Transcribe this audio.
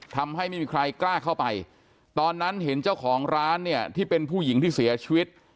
ทำให้ไม่มีใครกล้าเข้าไปตอนนั้นเห็นเจ้าของร้านเนี่ยที่เป็นผู้หญิงที่เสียชีวิต